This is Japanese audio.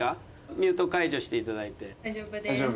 ミュート解除していただいて。